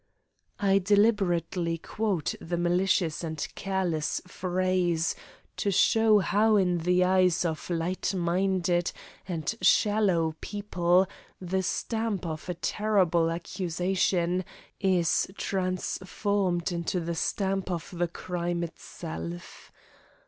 I deliberately quote the malicious and careless phrase to show how in the eyes of lightminded and shallow people the stamp of a terrible accusation is transformed into the stamp of the crime itself.